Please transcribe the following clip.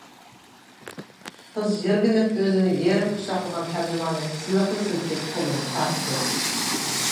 قىز يىرگىنىپ ئۆزىنى يېرىم قۇچاقلىغان تەرجىماننى سىلىقلا سىلكىپ قولىنى تارتتى.